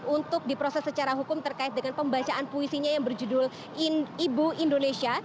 untuk diproses secara hukum terkait dengan pembacaan puisinya yang berjudul ibu indonesia